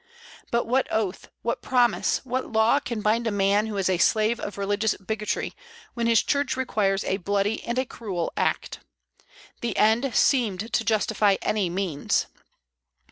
But what oath, what promise, what law can bind a man who is a slave of religious bigotry, when his church requires a bloody and a cruel act? The end seemed to justify any means.